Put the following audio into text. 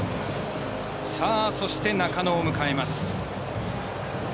そして、中野を迎えます。